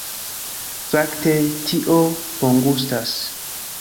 Fakte, tio bongustas